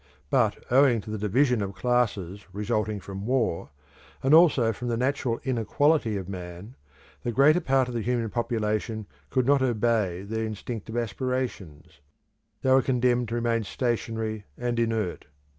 But owing to the division of classes resulting from war, and also from the natural inequality of man, the greater part of the human population could not obey their instinctive aspirations; they were condemned to remain stationary and inert.